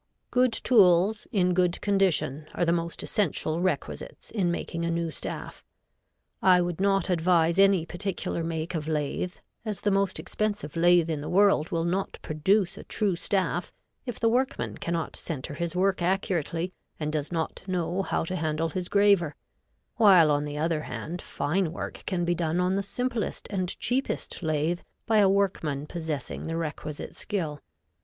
[Illustration: Fig. 1.] Good tools, in good condition, are the most essential requisites in making a new staff. I would not advise any particular make of lathe, as the most expensive lathe in the world will not produce a true staff if the workman cannot center his work accurately and does not know how to handle his graver, while on the other hand fine work can be done on the simplest and cheapest lathe by a workman possessing the requisite skill.